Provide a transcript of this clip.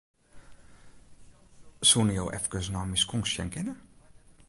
Soenen jo efkes nei myn skonk sjen kinne?